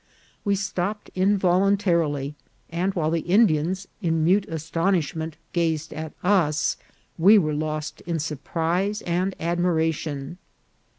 We stopped involuntarily; and while the Indians, in mute astonishment, gazed at us, we were lost in surprise and admiration.